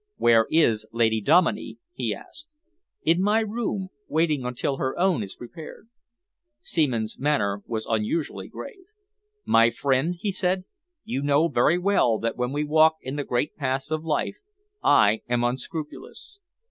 "Where is Lady Dominey?" he asked. "In my room, waiting until her own is prepared." Seaman's manner was unusually grave. "My friend," he said, "you know very well that when we walk in the great paths of life I am unscrupulous.